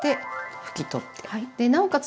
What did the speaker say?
なおかつ